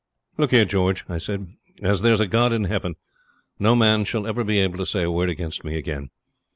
'Look here, George,' I said, 'as there's a God in heaven, no man shall ever be able to say a word against me again.